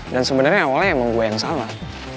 dan sebenernya awalnya emang gua yang salah